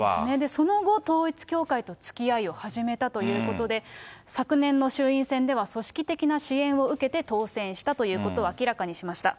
その後、統一教会とつきあいを始めたということで、昨年の衆院選では組織的な支援を受けて当選したということを明らかにしました。